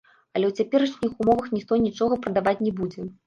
Але ў цяперашніх умовах ніхто нічога прадаваць не будзе.